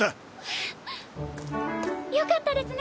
あっよかったですね